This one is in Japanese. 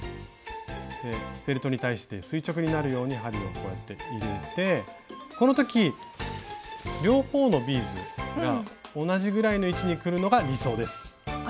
フェルトに対して垂直になるように針をこうやって入れてこの時両方のビーズが同じぐらいの位置にくるのが理想です。